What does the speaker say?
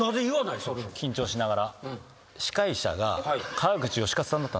緊張しながら。